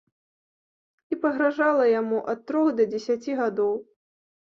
І пагражала яму ад трох да дзесяці гадоў.